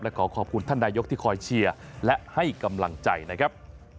ขอขอบคุณท่านนายกที่คอยเชียร์และให้กำลังใจนะครับ